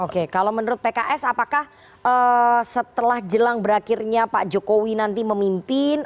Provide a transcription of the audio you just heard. oke kalau menurut pks apakah setelah jelang berakhirnya pak jokowi nanti memimpin